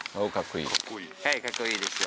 かっこいいですよ。